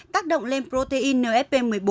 tác động lên protein nfp một mươi bốn